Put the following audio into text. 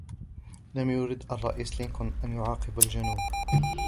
لم يرد الرئيس لينكولن أن يعاقب الجنوب.